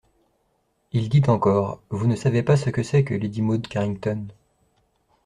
Il dit encore : «Vous ne savez pas ce que c'est que lady Maud Carington.